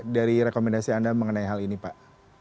dari rekomendasi anda mengenai hal ini pak